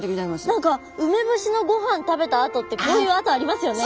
何かウメボシのごはん食べたあとってこういうあとありますよね。